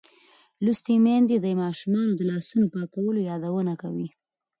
لوستې میندې د ماشومانو د لاسونو پاکولو یادونه کوي.